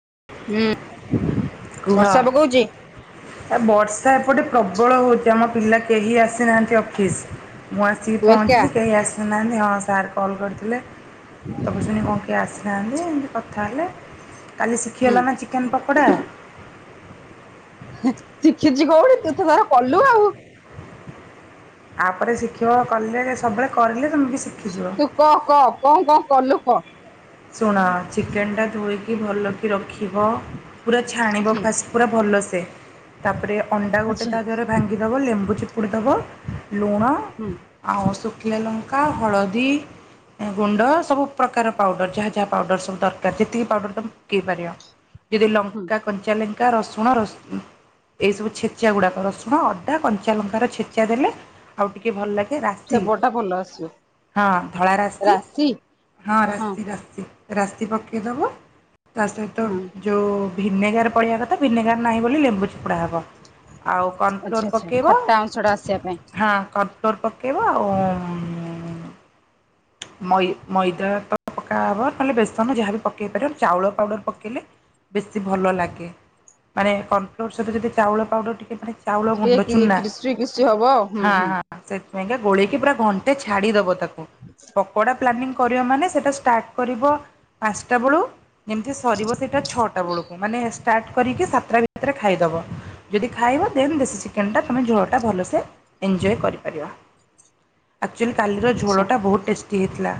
ହୁଁ। କୁହ ବର୍ଷା ପକଉଛି ଏ ବର୍ଷା ଏପଟେ ପ୍ରବଳ ହଉଚି ଆମର। ପିଲା କେହି ଆସିନାହାନ୍ତି ଅଫିସ୍ ମୁଁ ଆସିକି ତୁ ଏକା ପହଞ୍ଚିଲି କେହି ଆସି ଶୁଣୁନାହାନ୍ତି ହଁ ସାର୍ କଲ୍ କରିଥିଲେ ତକୁ ଶୁନ କଣ କିଏ ଆସ ଥାନ୍ତି ଏମିତି କଥା ହେଲେ କାଲି ହୁଁ ଶିଖିଗଲା ନା ଚିକେନ ପକୋଡ଼ା। ଶିଖିଚି କୋଉଠି ତୁ ତ ତାର କଲୁ ଆଉ। ତାପରେ ଶି୍ଖିବ କଲେ ସବୁବେଳେ କରିଲେ ତୁମେ ବି ଶିଖିଯିବ ତୁ କହ କହ କଣ କଣ କଲୁ କହ? ଶୁଣା ଚିକେନ ଟା ଧୋଇକି ଭଲ ରଖିବ ପୁରା ଛାଣିବ ହୁଁ ଫାଷ୍ଟ ପୁରା ଭଲସେ ତାପରେ ଅଣ୍ଡା ଗୋଟେ ଆଛା ତା ଦେହରେ ଭାଙ୍ଗିଦବ ଲେମ୍ବୁ ଚିପୁଡ଼ି ଦେବ ଲୁଣ ହୁଁ ଆଉ ଶୁଖିଲା ଲଙ୍କା, ହଳଦୀ ଗୁଣ୍ଡ ସବୁ ପ୍ରକାର ପାଉଡ଼ର। ଯାହା ଯାହା ପାଉଡର ସବୁ ଦରକାର ଯେତିକି ପାଉଡର ତମେ ପକେଇ ପାରିବ ଯଦି ହୁଁ ଲଙ୍କା କଞ୍ଚା ଲ ଅଦା, ରସୁଣ ରସ। ଏଇ ସବୁ ଛେଚା ଗୁଡାକ ରସୁଣ, ଅଦା, କଞ୍ଚା ଲଙ୍କାର ଛେଚା ଦେଲେ ଆଉ ଟିକେ ଭଲ ଲାଗେ। ରାତି ସେପଟା ଭଲ ଆସିବ ହଁ ଧଳା ରାସି ରାଶି ହଁ ରା ରା ରାସି ପକେଇ ଦବ ତା ସହିତ ହଁ ଯୋଉ ଭିନେଗାର ପଡିବା କଥା ଭିନେଗାର ନାହିଁ ବୋଲି ଲେମ୍ବୁ ଚିପଡ଼ା ହେବ। ଆଉ ଆଚ୍ଛା କର୍ଣ୍ଣଫ୍ଲୋର ଆଚ୍ଛା ପକାଇବ ଖଟା ଅଂଶ ଟା ଆସିବା ପାଇଁ ହଁ କ ଚୋର୍ ପକେଇବ ଆଉ ମଇ ମଇଦା ତ ପକା ନହେଲେ ବେସନ ଯାହାବ ପକେଇ ପାରିବ ଚାଉଳ ପାଉଡର ପକେଇଲେ ବେଶୀ ଭଲ ଲାଗେ ମାନେ କର୍ଣଫ୍ଲୋର ସହିତ ଯଦି ଚାଉଳ ପାଉଡର ଟିକେ ମାନେ ଚାଉଳ ଗୁଣ୍ଡ ଟିକେ ଚୁନା କ୍ରିସ୍ପି କ୍ରିସ୍ପି ହବ ଆଉ ହୁଁ ହଁ ହୁଁ ହଁ ସେ ମାଇଁକା ଗୋଳକି ପୁରା ଘଣ୍ଟେ ଛାଡ଼ିଦବ ତାକୁ। [inaudible] ପ୍ଲାନିଙ୍ଗ କରିବ ମନେ ସେଟା ଷ୍ଟାର୍ଟ କରିବ ପାଞ୍ଚଟା ବେଳୁ ଯେମିତି ସରିବ ଛଅଟା ବେଳକୁ ମାନେ ଷ୍ଟାର୍ଟ କରିକି ସାତଟା ଭିତରେ ଖାଇଦବ। ଯଦି ଖାଇବ ଦେନ୍ ଦେଶୀ ଚିକେନଟା ତମେ ଝୋଳଟା ଭଲସେ ଏଞ୍ଜୟ କରିପାରିବ। ଏକ୍ଟୁଅଲି କାଲିର ଆଛା ଝୋଳ ଟା ବହୁତ ଟେଷ୍ଟି ହେଇଥିଲା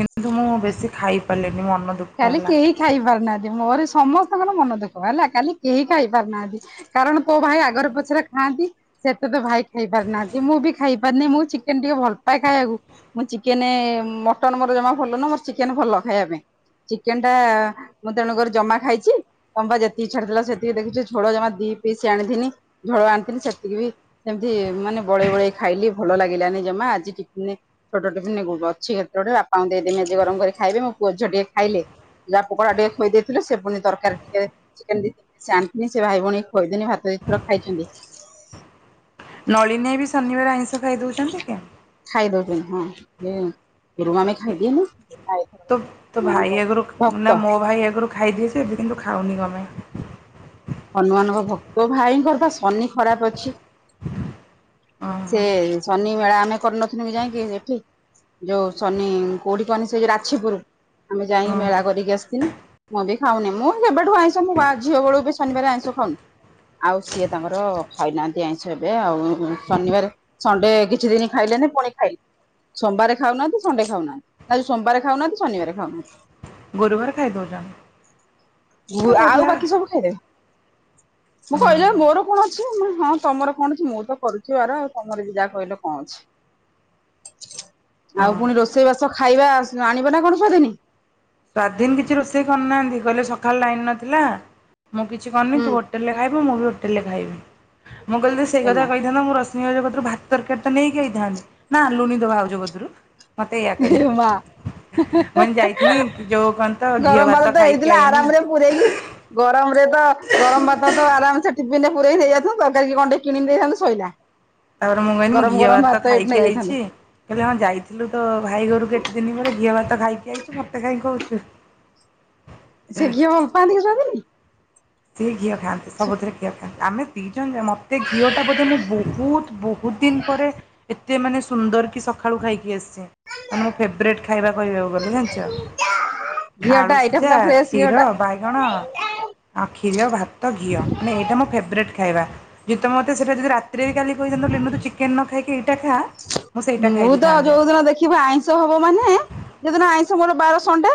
କିନ୍ତୁ ମୁଁ ବେଶୀ ଖାଇ ପାରିଲିନି ମନ ଦୁଃଖ କାଲି ହେଲା। କେହି ଖାଇ ପାରୁନାହାନ୍ତି ମୋର ସମସ୍ତେ ତାଙ୍କ ମନ ଦୁଃଖ ହେଲା କାଲି କେହି ଖାଇ ପାରୁନାହାନ୍ତି କାରଣ ତୋ ଭାଇ ଆଗରେ ପଛରେ ଖାଆନ୍ତି ସେତ ଭାଇ ଖାଇ ପାରନାହାନ୍ତି ମୁଁ ବି ଖାଇ ପାରିନି ମୁଁ ଚିକେନ ଟିକେ ଭଲ ପାଏ ଖାଇବାକୁ ମୁଁ ଚିକେନ ମଟନ ମୋର ଜମା ଭଲ ନୁହଁ ମୋର ଚିକେନ ଭଲ ଖାଇବା ପାଇଁ। ଚିକେନ ଟା ମୁଁ ତେଣୁକରି ଜମା ଖାଇଛି ତମପା ଯେତିକି ଇଚ୍ଛା ଥିଲା ସେତିକି ଦେଖୁଛ ଛୋଳ ଜମା ପି ଆଣିଥିନି ଝୋଳ ଆଣିଥିନି ସେତିକି ବି ସେମିତି ମାନେ ବଳେଇ ବଳେଇ ଖାଇଲି ଭଲ ଲାଗିଲାନି ଆଜି ଛୋଟ ଟିଫିନ ଅଛି କେତେ ଗୋଟେ ବାପାଙ୍କୁ ଦେଇଦେମି ଆଜି ଗରମ କରି ଖାଇବେ ମୋ ପୁଅ ଝିଅ ଟିକେ ଖାଇଲେ। ଯାହା ପକୋଡା ଟିକେ ଖୋଇ ଦେଇଥିଲେ ସେ ପୁଣି ତରକାରୀ ଟିକେ ଚିକେନ ଦେଇ ସେ ଆଣିିନି ସେ ଭାଇ ଭଉଣୀ ଖୋଇଦେନି ଭାତ। ଥର ଖାଇଛନ୍ତି। ନଳିନିଆ ବି ଶନିବାର ଆଇସ ଖାଇଦଉଛନ୍ତି ହଁରୁ ଆମେ ଖାଇଦିନୁ ତୁ ତୁ ଭାଇ ଆଗରୁ ଭକ୍ତ ନା ମୋ ଭାଇ ଆଗରୁ ଖାଇଦିଏ ସେ ଏବେ କିନ୍ତୁ ଖାଉ ନି କଣ ପାଇଁ? ହନୁମାନଙ୍କ ଭକ୍ତ ଭାଇଙ୍କର ପା ଶନି ଖରାପ ଅଛି। ଓହୋ ସେ ଶନି ମେଳା ମନେ କରିନଥିଲୁ ଯାଇକି ସେଠି ଯୋଉ ଶନି କୋଉଠି କହନି ସେ ଯୋଉ ରାଛିପୁର। ଆମେ ଯାଇକି ଓହୋ। ମେଳା କରିକି ଆସିଥିଲୁ ମୁଁ ବି ଖାଉନି ମୁଁ କେବେଠୁ ଆଇଁଷ ବା ଝିଅ ବେଳକୁ ବି ଶନିବାର ଆଇଁଷ ଖାଉନୁ? ଆଉ ସିଏ ତାଙ୍କର ଖାଇନାହାନ୍ତି ଆଇଁଷ ଏବେ ଆଉ ଶନିବାର ସଣ୍ଡେ କିଛି ଦିନ ଖାଇଲେ। ପୁଣି ଖାଇଲି ସୋମବାର ଖାଉନାହାନ୍ତି ସଣ୍ଡେ ଖାଉନାହାନ୍ତି ନା ସୋମବାରେ ଖାଉନାହାନ୍ତି ଶନିବାର ଖାଉନାହାନ୍ତି। ଗୁରୁବାର ଖାଇ ଦଉଛନ୍ତି। ଏତେ ଆଉ ବୋବଲା ବାକି ସବୁ ହୁଁ ଖାଇଦେବି। ମୁଁ କହିଲି ପା ମୋର କଣ ଅଛି? ହଁ ତମର କଣ ଅଛି ମୁଁ ତ କରୁଛି ଆର ଆଉ ତମର ବି ଯାହା କହିଲେ କଣ ଅଛି? ଆଉ ହଁ ପୁଣି ରୋଷେଇ ବାସ ଖାଇବା ଆଣିବ ନା କଣ ସବୁଦିନି? ସ୍ଵାଧୀନ କିଛି ରୋଷେଇ କରୁନାହାନ୍ତି କହିଲେ ସକାଳ ଲାଇନ ନଥିଲା। ମୁଁ କିଛି କରିନି ହୁଁ ତୁ ହୋଟେଲ ରେ ଖାଇବ ମୁଁ ବି ହୋଟେଲ ରେ ଖାଇବି ମୁଁ କହିଲି ସେଇ କଥା ଏମା କହିଥାନ୍ତା ମୁଁ ରୋଷେଇ ଜଗତରୁ ଭାତ, ତରକାରୀ ତ ନେଇକି ଆଇଥାନ୍ତି ନା ଆଣିଲୁନି ତୋ ଭାଉଜ କତୁରୁ। ଏ ମା। କହିନି ଯାଇଥିନି ଯୋଉ କଣ ତ ଘିଅ ଗରମ ଭାତ ବାଳ ତ ଖାଇକି ହେଇଥିଲା ଆଇନି। ଆରାମ ରେ ପୁରରେଇକି ଗରମ ତ ଗରମ ଭାତ ତ ଆରାମ ସେ ଟିଫିନ ରେ ପୁରି ଦେଇ ଯାଇଥାନ୍ତୁ ତରକାରୀ କଣ୍ଟେ କିଣି ଦେଇଥାନ୍ତୁ ଶୋଇଲା। ତାପରେ ମୁଁ କହିଲି ମୁଁ ଗରମ ଘିଅ ଗରମ ଭାତ ତ ଏଇଠି ଖାଇକି ନେଇଯାଇଥାନ୍ତେ। ଆଇଛି କହିଲି ହ ଯାଇଥିଲୁ ତ ଭାଇ ଘରକୁ କେତେ ଦିନି ପରେ ଘିଅ ଭାତ ଖାଇକି ଆଇଛୁ ମତେ କାଇଁ କହୁଛୁ? ସେ ଘିଅ ଭଲ ପାଆନ୍ତି କି ସବୁଦିନ ସିଏ ଘିଅ ଖାଆନ୍ତି। ସବୁଥିରେ ଘିଅ ଖାଆନ୍ତି। ଆମେ ଦି ମତେ ଘିଅ ଟା ବୋଧେ ମୁଁ ବହୁତ ବହୁତ ଦିନ ପରେ ଏ ଯେ ଏମାନେ ସୁନ୍ଦର କି ସକାଳୁ ଖାଇକି ଆସ ଛନ୍ତି ଆମର ଫେବେରଟ୍ ଖାଇବା କହିବାକୁ ଗଲେ ଜାଣିଛ। ଘିଅ ଟା ଆଳୁ ଏଇଟା ସିଝା, ପୁରା ଫ୍ରେଶ ଘିଅ କ୍ଷୀର, ଟା। ବାଇଗଣ ଆଉ କ୍ଷୀର, ଭାତ, ଘିଅ ମାନେ ଏଇଟା ମୋ ଫେବରେଟ୍ ଖାଇବା। ଯେହେତୁ ମୋ ତ ସେଟା ଯଦି ରାତିରେ ବି କାଲି କହିଦଥାନ୍ତୁ ଚିକେନ୍ ନ ଖାଇକି ଏ ମୁଁ ତ ଯୋଉଦିନ ଦେଖିବି ଆଇଁଷ ହବ ମାନେ ଯୋଦିନ ଆଇଁଷ ଷ ମୋର ବାର ଷଣ୍ଡେ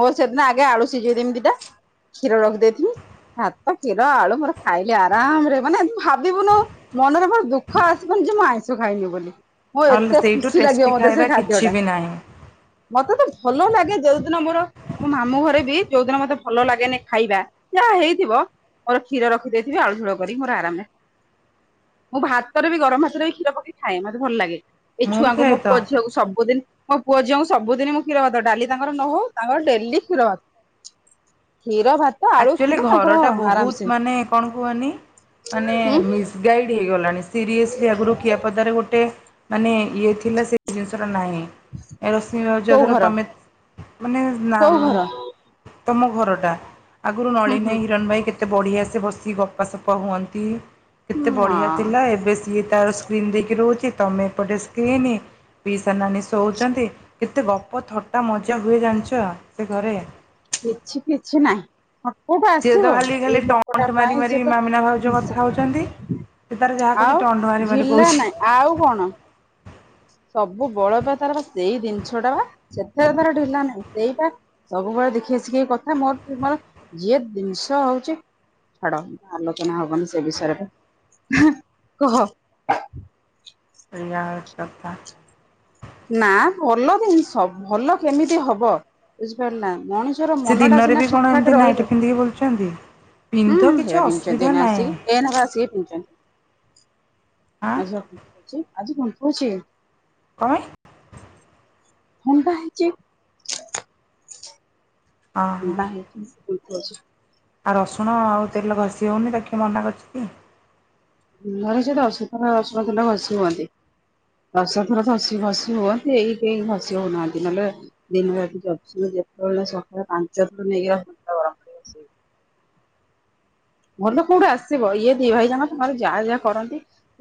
ମୋର ସେଦିନ ଆଗେ ଆଳୁ ସିଝେଇ ଦେମି ଦିଟା କ୍ଷୀର ରଖିଦେଇଥିବି ଭାତ, କ୍ଷୀର, ଆଳୁ ମୋର ଖାଇଲି ଆରାମରେ ମାନେ ଭାବିବୁନୁ ମନରେ ମୋର ଦୁଃଖ ଆସିବନି ଯିଏ ମୁଁ ଆଇଷ ଖାଇନି ବୋଲି। ମୁଁ ଆଉ ଏତେ ସେଇଠୁ ଖୁସି ଲାଗିବ ଟେଷ୍ଟି ମତେ ସେ ଖାଇବା ଖାଦ୍ୟ କିଛି ଟା। ବି ନାହିଁ ମତେ ତ ଭଲ ଲାଗେ ଯୋଉ ଦିନ ମୋର ମୋ ମାମୁଁ ଘରେ ବି ଯୋଉଦିନ ମତେ ଭଲ ଲାଗେନି ଖାଇବା ଯାହା ହେଇଥିବ। ମୋର କ୍ଷୀର ରଖିଦେଇଥିବି ଆଳୁ ଝୋଳ କରିକି ମୋର ଆରାମରେ ମୁଁ ଭାତରେ ବି ଗରମ ଭାତରେ ବି କ୍ଷୀର ପକେଇ ଖାଏ ମ ଭଲ ଲାଗେ ଏଇ ମୁଁ ବି ଛୁଆଙ୍କୁ ଖାଏ ମୋ ତ ପୁଅ ଝିକୁ ସବୁଦିନ ମୋ ପୁଅ ଝିଅଙ୍କୁ ସବୁଦିନ ମୁଁ କ୍ଷୀର ଭାତ ଡାଲି ତାଙ୍କର ନହଉ ତାଙ୍କର ଡେଲି କ୍ଷୀର ଭାତ। କ୍ଷୀର ଭାତ ଆଳୁ ଆକ୍ଚୁଆଲି କ୍ଷୀର ତାଙ୍କର ଘର ଟା ଆରାମସେ ବହୁତ ମାନେ କଣ କୁହନି ମାନେ ହୁଁ ମିସଗାଇଡ ହେଇଗଲାଣି ସିରିଏସଲି ଆଗରୁ ଖିଆପାଦରେ ଗୋଟେ ମାନେ ଇଏ ଥିଲା ସେ ଜିନିଷଟା ନାହିଁ ରଶମଜ କୋଉ ଧର ଘର ତମେ ମାନେ କୋଉ ନାମ୍ ଘର ତମ ଘରଟା ଆଗରୁ ହୁଁ ନଳିନ ହୁଁ ଇ ହିରଣ ଭାଇ କେତେ ବଢ଼ିଆ ସେ ବସିିକ ଗପସପ ହୁଅନ୍ତି କେତେ ବଢିଆ ହଁ ଥିଲା ଏବେ ସିଏ ତାର ସ୍କ୍ରିନ୍ ଦେଇକି ରହୁଛି। ତମେ ଏପଟେ ସ୍କ୍ରିନ ପିଇସା ନାନୀ ଶୋଉଛନ୍ତି। କେତେ ଗପ ଥଟା ମଜା ହୁଏ ଜାଣିଛ ସେ ଘରେ। କିଛି କିଛି ନାହିଁ। ହଁ କୋଉଠୁ ସିଏ ତ ଆସିବ ଖାଲି ଏଇ ଖାଲି ଲୋକଟା ଟଣ୍ଟ ମାରି ପାଇଁ ସିଏ ମାରି ମାମିନା ତ ଭାଉଜ କଥା ହଉଛନ୍ତି। [unintelligible] ସେ ତାର ଯାହା କହୁଛି ଆଉ ଟଣ୍ଟ ମାରି ମାରି ଝିଲା ନାଇଁ ଆଉ କଣ। ହ ସବୁ ବଳବ ତାର ବା ସେଇ ଜିନିଷ ଟା ବା ସେଥିରେ ତାର ଢିଲା ନାହିଁ ସେଇଟା ସବୁବେଳେ ଦେଖି ଦେଖେଇ ଶିଖେଇ କଥା ମୋର ତର ମୋର ଯିଏ ଜିନିଷ ହଉଛି ଛାଡ ଆଲୋଚନା ହବନି ସେ ବିଷୟରେ କହ। ଏୟା କଥା। ନା ଭଲ ଜିନିଷ ଭଲ କେମିତି ହବ ବୁଝିପାରିଲ ମଣିଷ ନିଜର ସେ ମନ ଟା ଦିନରେ ସିନା ବି ଠିକ କଣ ଏମିତି ଠାକ ନାଇଟି ରହିଲେ। ପିନ୍ଧିକି ବୁଲୁଛନ୍ତି? ହୁଁ ପିନ୍ଧ କିଛି ହେଇବା ପିନ୍ଧୁଛନ୍ତି ଅସୁବିଧା ଏଇନା ନାହିଁ ଆସିକି ଏ ନବା ଆସିକି ପିନ୍ଧୁଛନ୍ତି। ଆଁ ଆଜି ଆ ଆଜି କଣ [unintelligible] ହଏ ଥଣ୍ଡା ହେଇଛି ଓହୋ। ବାହ [unintelligible] ଆଉ ରସୁଣ ଆଉ ତେଲ ଘଷି ହେଉନି ତାକୁ କିଏ ମନା କରିଛି କି। ଘରେ ସେଟ [unintelligible] ବସି ହୁଅନ୍ତି ଦଶ ଥର ଘଷି ଫସି ହୁଅନ୍ତି ଏଇ କେ ଘସି ହଉନାହାନ୍ତି ନହେଲେ ଦିନ ରାତି ଚବିଶ ଯେତେବେଳେ ସକାଳେ ପାଞ୍ଚ ଥର ନେଇକି [inaudible] ହ ଘର ତ କୋଉଠୁ ଆସିବ ଇଏ ଦି ଭାଇ ଜାକ ତମର ଯାହା ଯାହା କରନ୍ତି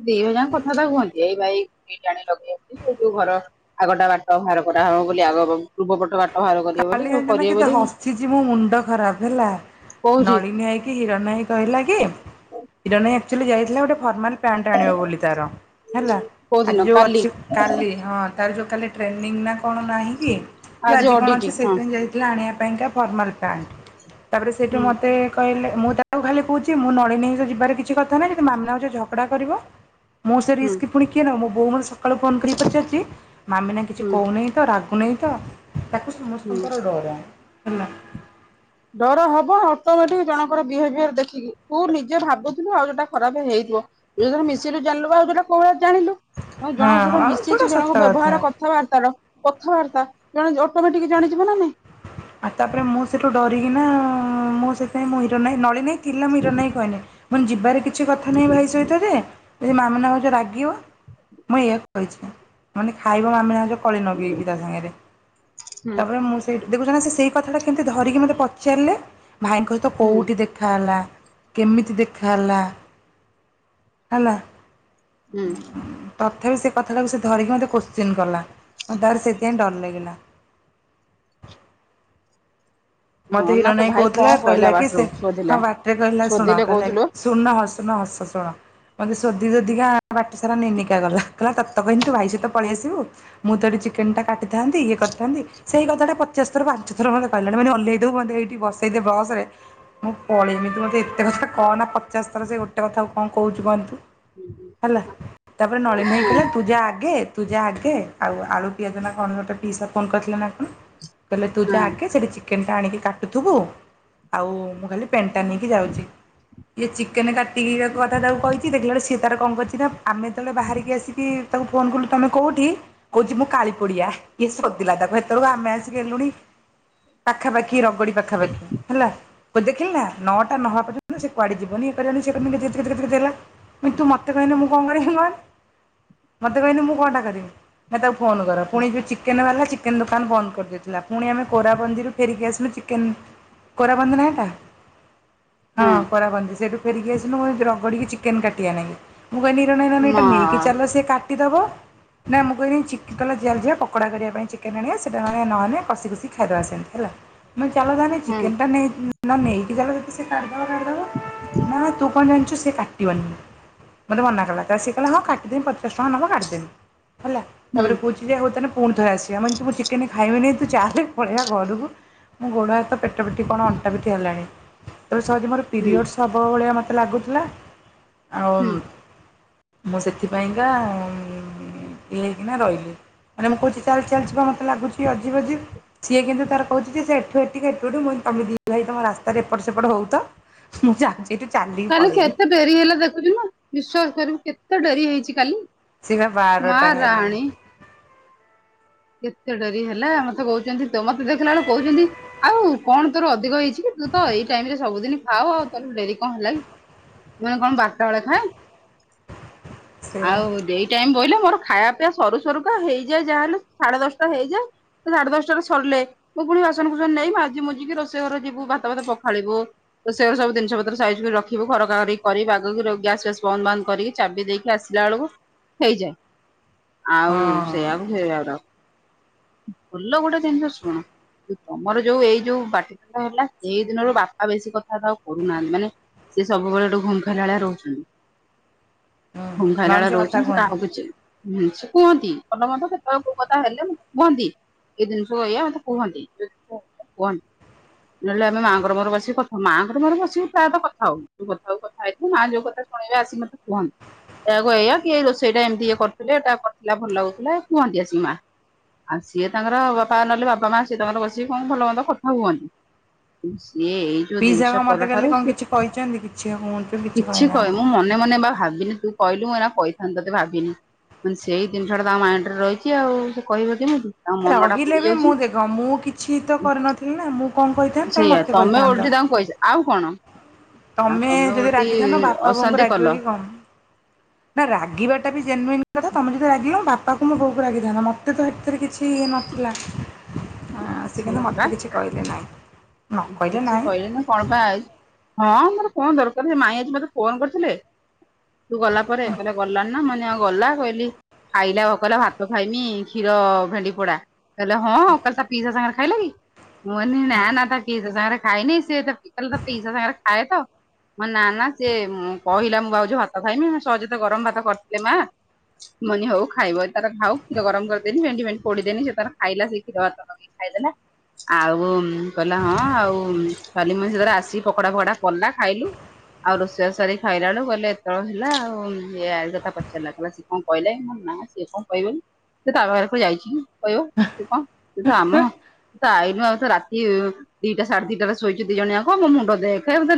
ଦିଇ ଭାଇ ଜାଣ କଥାଟା କୁହନ୍ତି ଏଇ ବା ଏଇ ଜାଣି ଲଗେଇଉଛି ଏଇ ଯୋଉ ଘର ଆଗଟା ବାଟ ବାହାର କରାହବ ବୋଲି ଆଗ ପୂର୍ବ ପଟ ବାଟ ବାହାର କରିବେ ବୋଲି ସବୁ କାଲିଗଞ୍ଜ ନା କରିବେ କେତେ ବୋଲି ହସିଛି ମୋ ମୁଣ୍ଡ ଖରାପ ହେଲା କହୁଛି ନଳିନୀ ଆଇକି ତମେ ହିଁ କହିଲା କି ଜଣେ ଆକ୍ଚୁଲି ଯାଇଥିଲା ଗୋଟେ ଫର୍ମାଲ ପ୍ୟାଣ୍ଟ ଆଣିବ ବୋଲି ତାର ହେଲା କୋଉ ଦିନ ଆଜି ଯଉ କାଲି ଅଛି କାଲି ହଁ ତାର ଯୋଉ କାଲି ଟ୍ରେନିଂ ନା କଣ ନାହିଁକି? ଆଜି ଅଡିଟ୍। ସେଇଥିପାଇଁ ଯାଇଥିଲେ ଆଣିବା ପାଇଁକା ଫର୍ମାଲ୍ ପ୍ୟାଣ୍ଟ୍ ତାପରେ ସେଇଠୁ ହୁଁ ମୋତେ କହିଲେ। ମୁଁ ତାକୁ ଖାଲି କହୁଛି ମୁଁ ନଳିନୀ ସହ ଯିବାର କିଛି କଥା ନାହିଁ ଯଦି ମାମିନା ହଉଛି ଝଗଡା କରିବ। ମୁଁ ସେ ହୁଁ ରିସ୍କ ପୁଣି କିଏ ନବ, ମୋ ବୋଉ ମନତ ସକାଳୁ ଫୋନ କରି ପଚାରୁଛି ମାମିନା କିଛି ହୁଁ କହୁନି ତ ରାଗ୍ ଗୁ ନାଇଁ ତ, ତାକୁ ହୁଁ। ସମସ୍ତଙ୍କର ଡର, ହେଲା। ଡର ହବ ଅଟୋମେଟିକ ଜଣଙ୍କର ବିହେଭିୟର ଦେଖିକି ତୁ ନିଜେ ଭାବୁଥିବୁ ଆଉ ଯୋଉଟା ଖରାପ ହେଇ [inaudible] ତୁ‌ ଯାହା ମିଶିଲୁ ଜାଣିଲୁ ପା ଆଉ ଯୋଉଟା [inaudible] ଜାଣିଲୁ, ଜଣଙ୍କ ହଁ ସହିତ ଆଉ ମିଶିଛୁ ଯୋଉଟା ସତ ଜଣଙ୍କ କଥା। ବ୍ୟବହାର କଥାବାର୍ତ୍ତାର କଥାବାର୍ତ୍ତା, ଜଣେ ଅଟୋମେଟିକ ଜାଣିଯିବ ନା ନାଇଁ। ଆଉ ତାପରେ ମୁଁ ସେଠୁ ଡରିକିନାଆ-ଆ-ଆ ମୁଁ ସେଥିପାଇଁ ମୋ ହିରୋ ନାହିଁ ନଳିନୀ ଥିଲା ମିରର୍ ନାଇଁ [inaudible] ମୁଁ କହିଲି ଯିବାରେ କିଛି କଥା ନାହିଁ ଭାଇ ସହିତ ଯେ ଯଦି ମାମିନା ଭାଉଜ ରାଗିବ, ମୁଁ ଏଇଆ କହିଛି [inaudible] ମାନେ ଖାଇବ ମାମିନା ଭାଉଜ କଳି ନଗେଇକି ତା ସାଙ୍ଗରେ, ହୁଁ ତାପରେ ମୁଁ ଦେଖୁଛ ନା ସେ ସେଇ କଥାଟା କେମିତି ଧରିକି ମୋତେ ପଚାରିଲେ ଭାଇଙ୍କ ସହିତ ହୁଁ କୋଉଠି ଦେଖାହେଲା? କେମିତି ଦେଖା ହେଲା, ହେଲା। ହୁଁ। ତଥାପି ସେ କଥାଟାକୁ ସେ ଧରିକି ମୋତେ କୋଶ୍ଚିନ୍ କଲା ଆଉ ତାପରେ ସେଥିପାଇଁ ଡର ଲାଗିଲା। ମତେ ହଁ ହିରୋ ନା ତୋ ନାଇଁ ଭାଇ କଣ କହୁଥିଲା କହିଲା କି ବାଟରୁ ସେ ଶୋଧିଲା ହଁ ବାଟରେ କହିଲା ଶୁଣ ଶୋଧିଲେ କହିଲା କି କହୁଥିଲୁ ଶୁଣନା ହସ୍ ତମେ [unintelligible] ଶୁଣ। ମତେ ଶୋଧି ଶୋଧିକା ବାଟ ସାରା ନେଇ ନେଇକା ଗଲା କହିଲା ତତେ ତ କହିଲି ତୁ ଭାଇ ସହିତ ପଳେଇଆସିବୁ ମୁଁ ତ ଏଠି ଚିକେନଟା କାଟିଥାନ୍ତି ଇଏ କରିଥାନ୍ତି ସେଇ କଥାଟା ପଚାଶ ଥର ପାଞ୍ଚ ଥର ମତେ କହିଲାଣି ମାନେ ଓହ୍ଲେଇ ତୁ ମତେ‌ ଏଇଠି ବସେଇଦେ ବସରେ ମୁଁ ପଳେଇମି ତୁ ମତେ ଏତେ କଥା କହନା ପଚାଶ ଥର ସେ ଗୋଟେ କଥାକୁ କଣ କହୁଛୁ କହନି ତୁ। ହେଲା ତାପରେ ନଳିନୀ ଭାଇ କହିଲା ତୁ ଯାଆ ଆଗେ ତୁ ଯାଆ ଆଗେ ଆଉ ଆଳୁ ପିଆଜ ନା କଣ ଗୋଟେ ପିଇସା ଫୋନ୍ କରିଥିଲେ ନା କଣ କହିଲେ ତୁ ହଁ ଯାଆ ଆଗେ ସେଠି ଚିକେନ୍ ଆଣିକି କାଟୁଥିବୁ ଆଉ ମୁଁ ଖାଲି ପେଣ୍ଟଟା ନେଇକି ଯାଉଛି। ଇଏ ଚିକେନ କାଟିକି [inaudible] କଥା ତାକୁ କହିଛି ଦେଖିଲା ବେଳକୁ ସିଏ ତାର କଣ କରିଛି ନା ଆମେ ଯେତେବେଳେ ବାହାରିକି ଆସିକି ତାକୁ ଫୋନ୍ କଲୁ ତମେ କୋଉଠି? କହୁଛି ମୁଁ କାଳି ପଡିଆ ଇଏ ଶୋଧିଲା ତାକୁ ହେତେବେଳକୁ ଆମେ ଆସିକି ହେଲୁଣି ପାଖାପାଖି, ରଗଡି ପାଖାପାଖି, ହେଲା। କହିଲି ଦେଖିଲୁ ନା ନଅଟା ନ ହେବା ପର୍ଯ୍ୟନ୍ତ ସେ‌ କୁଆଡ଼େ ଯିବନି ଏ‌ କରିବନି ସେ କରିବନି ଗେଜେ-ଗେଜେ-ଗେଜେ-ଗେଜେ ହେଲା, ମୁଁ କହିଲି ତୁ ମତେ କହିଲେ ମୁଁ କଣ କରିବି କହନ୍, ମତେ କହିଲେ ମୁଁ କଣଟା କରିବି ମତେ [inaudible] ଫୋନ୍ କର ପୁଣି ଯୋଉ ଚିକେନ ବାଲା ଚିକେନ ଦୋକାନ ବନ୍ଦ କରିଦେଇଥିଲା ପୁଣି ଆମେ କୋରାବନ୍ଦିରୁ ଫେରିକି ଆସିଲୁ ଚିକେନ୍ କୋରାବନ୍ଦୀନା ହେଇଟା ହଁ କୋରାବନ୍ଦୀ ସେଇଠୁ ଫେରିକି ଆସିଲୁ ମୁଁ [inaudible] ରଗଡ଼ିକି ଚିକେନ୍ କାଟିବା ନାଗି ମୁଁ କହିଲି ନିର [inaudible] ଏଇଟା ମା ନେଇକି ଚାଲ ସେ କାଟିଦବ। ନା ମୁଁ କହିଲି ଚିକ୍ କହିଲା [inaudible] ଯିବା ପକୋଡ଼ା କରିବା ପାଇଁ ଚିକେନ୍ ଆଣିବା ସେଇଟା [inaudible] ନହେଲେ କଷି କଷି ଖାଇଦେବା ସେମିତି। ହେଲା, ମୁଁ [inaudible] ଚାଲ ତାହେଲେ ହୁଁ ଚିକେନଟା ନେଇ, ନା ନେଇକି ଚାଲ ଯଦି ସେ କାଟିଦେବ କାଟିଦେବ ନା ତୁ କଣ ଜାଣିଛୁ ସେ କାଟିବନି, ମତେ ମନାକଲା। ତ ସେ କହିଲା ହଁ କାଟିଦେବି ପଚାଶ ଟଙ୍କା ନବ କାଟିଦେବି ହେଲା, ହୁଁ ତାପରେ କହୁଚି ଯେ ହଉ ତାହେଲେ ପୁଣିଥରେ ଆସିବା ମାନେ ତୁ ମୁଁ ଚିକେନ ଖାଇବିନି ତୁ ଚାଲେ ପଳେଇବା ଘରକୁ ମୁଁ ଗୋଡ଼ହା [inaudible] ପେଟ ପିଠି କଣ ଅଣ୍ଟା ପିଠି ହେଲାଣି ତେବେ ସହଜେ ମୋର ହୁଁ ପିରିୟଡ଼ସ୍ ହବ ଭଳିଆ ମତେ ମତେ ଲାଗୁଥିଲା ଆଉ ହୁଁ ମୁଁ ସେଥିପାଇଁକା ଇଏ ହେଇକିନା ରହିଲି, ମାନେ ମୁଁ କହୁଛି ଚାଲ୍ ଚାଲ୍ ଯିବା ମୋତେ ଲାଗୁଛି ଅଜିବ୍ ଅଜିବ୍ ସିଏ କିନ୍ତୁ ତାର କହୁଛି ଯେ ସେ ଏଠୁ ଏଠିକି ଏପଟୁ ମୁଁ କହିଲି ତମେ ଦି ଭାଇ ତମ ରାସ୍ତାରେ ଏପଟ ସେପଟ ହଉଥା ମୁଁ ଯାଉଛି। ଏଠୁ ଚାଲିକି କାଲି ପଳେଇବି କେତେ ଡେରି ହେଲା ଦେଖୁଛୁ ନା, ବିଶ୍ଵାସ କରିବୁ କେତେ ଡେରି ହେଇଛି କାଲି। ସେ ପା ମା ବାରଟା ଖାଇଲା ରାଣୀ କାଲି। କେତେ ଡେରି ହେଲା ମତେ କହୁଛନ୍ତି ତ ମତେ ଦେଖିଲା ବେଳକୁ କହୁଛନ୍ତି ଆଉ କଣ ତୋର ଅଧିକ ହେଇଛି କି। ତୁ ତ ଏଇ ଟାଇମରେ ସବୁଦିନ ଖାଉ ଆଉ ତୋର ଡେରି କଣ ହେଲା କି। ନୁଏ କଣ ବାରଟା ବେଳେ ଖାଏ । ସେଇଆ ଆଉ ଏଇ ଟାଇମ ବୋଇିଲେ ମୋର ଖାଇବା ପିଇବା ସରୁ ସରୁକା ହେଇଯାଏ ଯାହାହେଲେ । ସାଢେ ଦଶଟା ହେଇଯାଏ ସାଢେ ଦଶଟାରେ ସରିଲେ ମୁଁ ପୁଣି ବାସନ କୁସନ ନେଇ ମୁଁ ମାଜି ମୁଜିକି ରୋଷେଇ ଘର ଯିବୁ । ଭାତ ଫାତ ପଖାଳିବୁ ରୋଷଇ ଘର ସବୁ ଜିନିଷ ପତ୍ର ସାଇଜ କରି ରଖିବୁ ଖରକା ଖରକି କରି ବାଗ କି ଗ୍ୟାସ ଫ୍ୟାସ ବନ୍ଦ ବାନ୍ଦ । ବାନ୍ଦ କରିକି ଚାବି ଦେଇକି ଆସିଲା ବେଳକୁ ହେଇଯାଏ ଆଉ ହଁ ସେଆକୁ ସେ ରାଉ ରାଉ । ଭଲ ଗୋଟେ ଜିନିଷ ଶୁଣ । ତମର ଯୋଉ ଏଇ ଯୋଉ ପାଟି ତୁଣ୍ଡ ହେଲା ସେଇ ଦିନରୁ ବାପା ବେଶୀ କଥାବାର୍ତା ଆଉ କରୁନାହାନ୍ତି ମାନେ । ସେ ସବୁବେଳଠୁ ଘୁମ ଖାଇଲା ଭଳିଆ ରହୁଛନ୍ତି । ହୁଁ ଘୁମଖାଇଲା ଭଳିଆ ନଣନ୍ଦ କଥା ରହୁଛନ୍ତି ସେ କୁହନ୍ତୁ। କହାକୁ କିଛି । ହୁଁ ସେ କୁହନ୍ତି ଭଲ ମନ୍ଦ କେତେବେଳେ କୋଉ କଥା ହେଲେ। କୁହନ୍ତି ଏ ଜିନିଷକୁ ଏୟା ମତେ କୁହନ୍ତି କୁହନ୍ତି । ନହେଲେ ଆମେ ମାଆଙ୍କର ମୋର ବସିକ କଥା, ମାଙ୍କର ମୋର ବସିକି ପ୍ରାୟ ତ କଥା ହଉ ଯୋଉ କଥା ହଉ କଥା ହେଇଥିବ ମା ଯୋଉ କଥା । ଶୁଣିବେ ଆସିକି ମତେ କୁହନ୍ତି । କହିଆ କୁ ଏଇଆ କି ଏ ରୋଷେଇଟା ଏମିତି ଇଏ କରୁଥିଲେ ଏଇଟା କରିଥିଲା ଭଲ ଲାଗୁଥିଲା କୁହନ୍ତି ଆସି କି ମା । ଆଉ ସିଏ ତାଙ୍କର ଗପା ନହେଲେ ବାପା ମା ସିଏ ତାଙ୍କର ବସିକି କଣ ଭଲ ମନ୍ଦ କଥା ହୁଅନ୍ତି । ସିଏ ଏଇ ଯୋଉ ପିଇସା କଣ ଜିନିଷ ମତେ ପର କାଲି ଠାରୁ କଣ ସେ କିଛି କହିଛନ୍ତି କିଛି କୁହନ୍ତୁ କିଛି କହେ କହିନାହାନ୍ତି। ମୁଁ ମନେ ମନେ ବା ଭାବିନି ତୁ କହିଲୁ ମୁଁ ଏଇନା କହିଥାନ୍ତ ତୋତେ ଭାବିନି ମୁ କାଇଲି ସେଇ ଜିନିଷ ଟା ତାଙ୍କ ମାଇଣ୍ଡ ରେ ରହିଛି ଆଉ । କହିବ କେମିତି । ରହିଲେ ବି ମୁଁ ଦେଖ ମୁଁ କିଛି ତ କରିନଥିଲି ନା ମୁଁ । କଣ କହିଥାନ୍ତି ସେଇଆ ମୋତେ ତମେ ଓଲଟି କହିଥାନ୍ତ ତାଙ୍କୁ । କହିଛ ଆଉ କଣ ଆଉ ତମେ ଯଦି ଓଲଟି ରାଗିଥାନ୍ତ ବାପା ବୋଉଙ୍କୁ ଅଶାନ୍ତି କଲ। ରାଗିବ କି କଣ । ନା ରାଗିବା ଟା ବି ଜେନୁଇନ୍ କଥା ତମେ ଯଦି ରାଗିବ ବାପ ତାହେଲେ ତ ବୋଉ ଉପରେ ରାଗିଥାନ୍ତା ମୋତେ ତ ହେଥେରେ କିଛି ଇଏ ନଥିଲା । ହଁ ସେ କିନ୍ତୁ ସେଇଆ ବା ମୋତେ କିଛି କହିଲେ ନାଇ । କିଛି କହିଲେ ନି କଣ ପାଇଁ ଆଇଛୁ । ହଁ ମୋର କଣ ଦରକାର ଯେ ମାଇଁ ଆଜି ମତେ ଫୋନ କରିଥିଲେ ତୁ ଗଲା ପରେ କଇଲେ ଗଲାଣି । ମାନି ଆଉ ଗଲା କଇଲି ଖାଇଲା କହିଲା ଭାତ ଖାଇମି କ୍ଷୀର ଭେଣ୍ଡି ପୋଡା। କହିଲେ ହଁ କଇଲେ ତା ପିଇସା ସାଙ୍ଗରେ ଖାଇଲା କି ମୁଁ କଇଲି ନା ନାଁ ତା। ପିଇସା ସାଙ୍ଗରେ ଖାଇନି ସିଏ ତ କଇଲେ ତା ପୀଇସା ସାଙ୍ଗରେ ଖାଏ ତ । ମୁ କଇଲି ନା ନା ସେ କହିଲା ମୁଁ ଭାଉଜ ଭାତ ଖାଇମି ସହଜେ ତ ଗରମ ଭାତ କରିଥିଲେ ମା । ମୁଁ କହିଲି ହଉ ଖାଇବ ଯଦି ତାର ଖାଉ କ୍ଷୀର ଗରମ କରିଦେଲି ଭେଣ୍ଡି ଭେଣ୍ଡି ପଡିଦେନି ସେ ତାର ଖାଇଲା ସେ କ୍ଷୀର ଭେଟ ଲଗେଇକି । ଖାଇଦେଲା ଆଉ ଉଁ । କହିଲେ ହଁ ଆଉ କାଲି ମୁ ସେ ତାର ଆସି ପକଡା ଫକଡା କଲା ଖାଇଲୁ । ଆଉ ରୋଷେଇ ବାସ ସାରି ଖାଇଲା ବେଳୁ କହିଲେ ଏତବେଳେ ହେଲା ଆଉ ଇଏ ଆ କଥା ପଚାରି ଲେ କହିଲେ ସିଏ କଣ କହିଲା କି । ନା ସିଏ କଣ କହିବ କି ସେ ତା ଘରକୁ ଯାଇଛି କି କହିବ ସେ କଣ । ସେ ତ ଆମ ସେ ତ ଆଇନୁ ଆଉ ତ ରାତି । ଦିଟା ସାଢେ ଦି ଟା ରେ ଶୋଇଛୁ ଦି ଜଣ ଯାକ ମୋ ମୁଣ୍ଡ ଦେଖ ମତେ ନେ